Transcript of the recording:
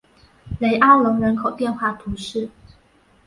雷阿隆人口变化图示